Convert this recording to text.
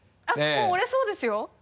もう折れそうですよ